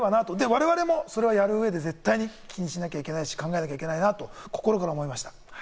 我々もそれをやる上で絶対気にしなきゃいけないし、考えなきゃいけないなと心から思いました。